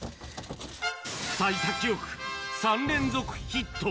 さい先よく３連続ヒット。